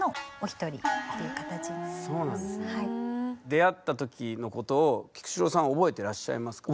出会ったときのことを菊紫郎さんは覚えてらっしゃいますか？